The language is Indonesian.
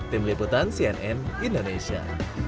tim liputan cnn indonesia